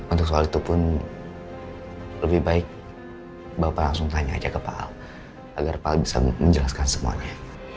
untuk soal itu pun lebih baik bapak langsung tanya aja ke pak al agar pak al bisa menjelaskan semuanya